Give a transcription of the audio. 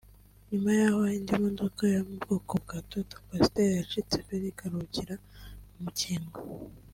nyuma y’aho indi modoka yo mu bwoko bwa Toyota Coaster yacitse feri ikaruhukira mu mukingo